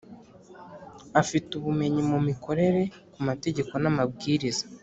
Afite ubumenyi mu mikorere ku mategeko n’amabwiriza